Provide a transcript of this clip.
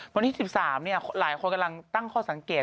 วันที่๑๓หลายคนกำลังตั้งข้อสังเกต